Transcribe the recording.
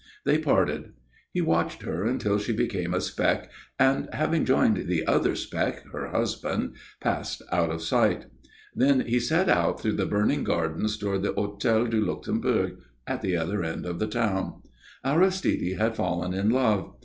They parted. He watched her until she became a speck and, having joined the other speck, her husband, passed out of sight. Then he set out through the burning gardens towards the Hôtel du Luxembourg, at the other end of the town. Aristide had fallen in love.